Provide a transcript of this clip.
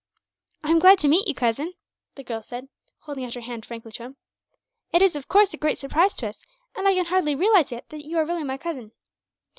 "I am glad to meet you, cousin," the girl said, holding out her hand frankly to him. "It is, of course, a great surprise to us, and I can hardly realize yet that you are really my cousin."